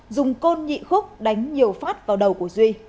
dùng côn nhị khúc đánh nhiều phát vào đầu của duy